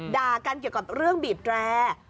ด่ากันเกี่ยวกับเรื่องบีบแร่